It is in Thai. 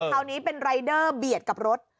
คราวนี้เป็นรายเดอร์เบียดกับรถ